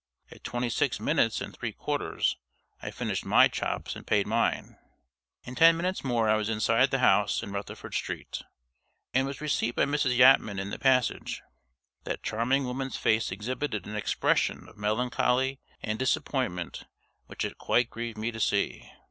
At twenty six minutes and three quarters I finished my chops and paid mine. In ten minutes more I was inside the house in Rutherford Street, and was received by Mrs. Yatman in the passage. That charming woman's face exhibited an expression of melancholy and disappointment which it quite grieved me to see.